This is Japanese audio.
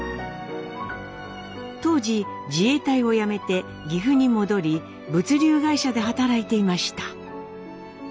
当時自衛隊を辞めて岐阜に戻り物流会社で働いていました。